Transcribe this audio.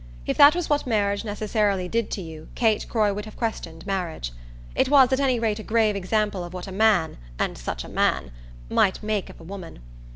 If that was what marriage necessarily did to you Kate Croy would have questioned marriage. It was at any rate a grave example of what a man and such a man! might make of a woman.